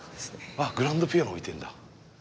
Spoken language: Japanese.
グランドピアノ置いてるんだ。